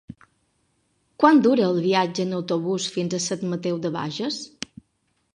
Quant dura el viatge en autobús fins a Sant Mateu de Bages?